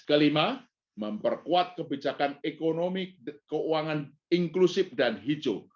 kelima memperkuat kebijakan ekonomi keuangan inklusif dan hijau